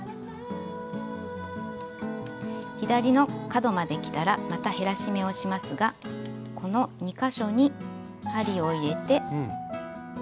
左の角まできたらまた減らし目をしますがこの２か所に針を入れて。